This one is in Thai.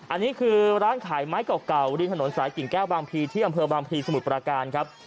อันนี้คือร้านขายไม้เก่าริมถนนสายกิ่งแก้วบางพีที่อำเภอบางพลีสมุทรประการครับ